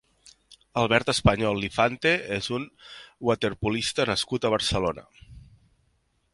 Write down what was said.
Albert Español Lifante és un waterpolista nascut a Barcelona.